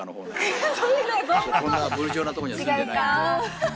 こんなブルジョワなとこには住んでないんで。